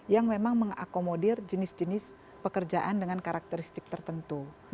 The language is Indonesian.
yang memang mengakomodir jenis jenis pekerjaan dengan karakteristik tertentu